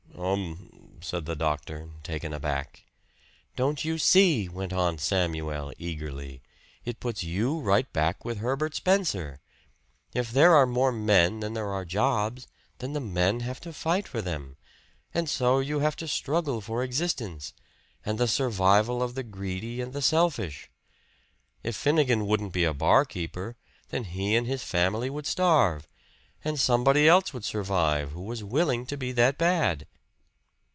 "Um " said the doctor, taken aback. "Don't you see?" went on Samuel eagerly. "It puts you right back with Herbert Spencer! If there are more men than there are jobs, then the men have to fight for them. And so you have the struggle for existence, and the survival of the greedy and the selfish. If Finnegan wouldn't be a barkeeper, then he and his family would starve, and somebody else would survive who was willing to be that bad."